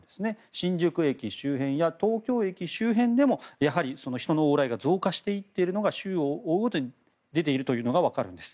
新宿駅周辺や東京駅周辺でも人の往来が増加していっているのが週を追うごとに出ているのがわかるんです。